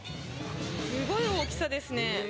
すごい大きさですね。